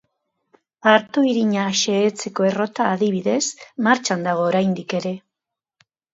Arto irina xehetzeko errota, adibidez, martxan dago oraindik ere.